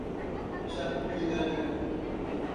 Jacupiranga